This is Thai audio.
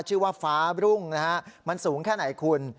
ฟ้ารุ่งนะฮะมันสูงแค่ไหนคุณ